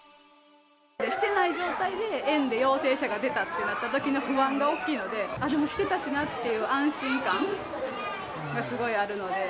してない状態で、園で陽性者が出たってなったときの不安が大きいので、あっ、でもしてたしなっていう安心感はすごいあるので。